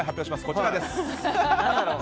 こちらです。